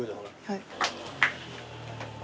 はい。